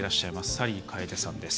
サリー楓さんです。